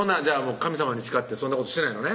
神さまに誓ってそんなことしてないのね？